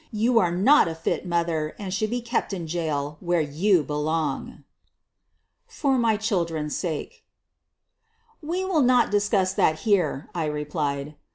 You are not a fit mother, and should be kept in jail, where you be long. '' FOE MY CHILDREN'S SAKE 1 1 We will not discuss that here, '' I replied.